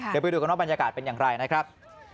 เดี๋ยวไปดูกันว่าบรรยากาศเป็นอย่างไรนะครับ